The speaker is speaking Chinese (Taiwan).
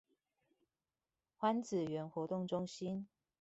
歡仔園活動中心